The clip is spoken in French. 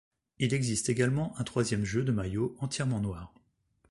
Il existe également un troisième jeu de maillot entièrement noir.